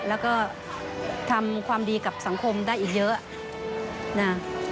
แล้วก็ทำความดีกับสังคมได้อีกเยอะนะ